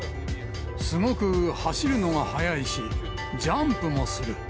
すごく走るのが速いし、ジャンプもする。